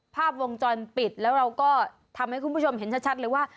ภาพวงจรปิดแล้วเราก็ทำให้คุณผู้ชมเห็นชัดเลยว่า